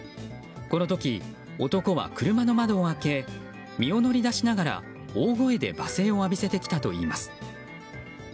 この時、男は車の窓を開け身を乗り出しながら大声で罵声を浴びせてきたといいます。